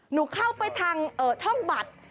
หนูเข้าไปทางช่องบัตร